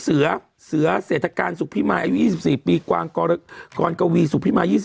เสือเสร็จทะการสุขภิมายอายุยี่สิบสิบสี่ปีกวางกรกรกวีสุขภิมายยี่สิบ